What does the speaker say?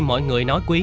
mọi người nói quý